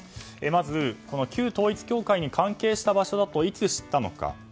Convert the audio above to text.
まず旧統一教会に関係した場所だといつ知ったのか。